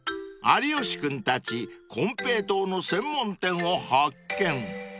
［有吉君たちコンペイトーの専門店を発見］